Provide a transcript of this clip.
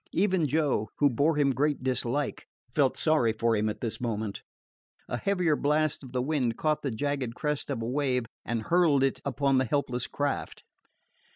Even Joe, who bore him great dislike, felt sorry for him at this moment. A heavier blast of the wind caught the jagged crest of a wave and hurled it upon the helpless craft.